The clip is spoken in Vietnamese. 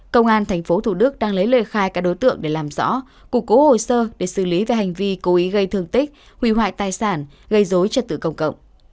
công an tp thủ đức đang lấy lời khai các đối tượng để làm rõ củng cố hồ sơ để xử lý về hành vi cố ý gây thương tích hủy hoại tài sản gây dối trật tự công cộng